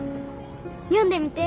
読んでみて。